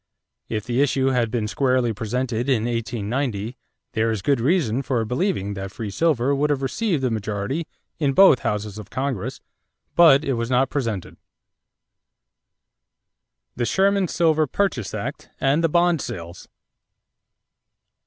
If the issue had been squarely presented in 1890, there is good reason for believing that free silver would have received a majority in both houses of Congress; but it was not presented. =The Sherman Silver Purchase Act and the Bond Sales.